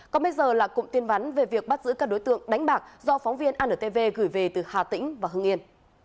còn bây giờ là cụm tin vắn về việc bắt giữ các đối tượng đánh bạc do phóng viên antv gửi về từ hà tĩnh và hưng yên